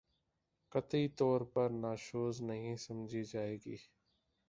قطعی طور پر نشوزنہیں سمجھی جائے گی